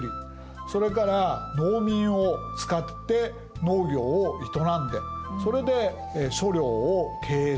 それから農民を使って農業を営んでそれで所領を経営している。